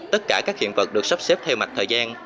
tất cả các hiện vật được sắp xếp theo mạch thời gian